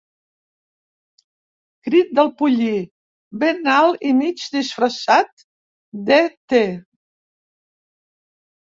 Crit del pollí, ben alt i mig disfressat d'ET.